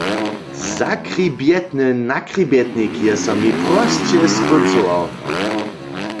Zachribjetny nachribjetnik je so mi prosće skóncował!